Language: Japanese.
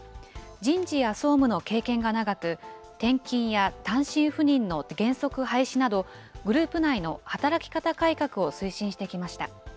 人事や総務の経験が長く、転勤や単身赴任の原則廃止など、グループ内の働き方改革を推進してきました。